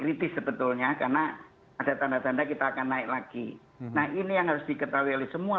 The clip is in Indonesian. kritis sebetulnya karena ada tanda tanda kita akan naik lagi nah ini yang harus diketahui oleh semua